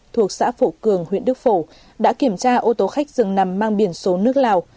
thuộc xã phổ cường huyện đức phổ đã kiểm tra ô tô khách dừng nằm mang biển số nước lào